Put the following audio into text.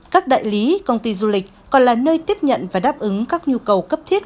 các đại lý công ty du lịch còn là nơi tiếp nhận và đáp ứng các nhu cầu cấp thiết